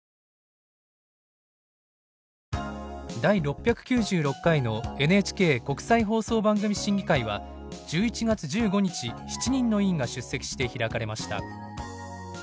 第６９６回のＮＨＫ国際放送番組審議会は１１月１５日７人の委員が出席して開かれました。